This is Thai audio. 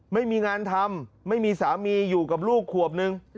ไม่มีงานทำไม่มีสามีอยู่กับลูกขวบนึง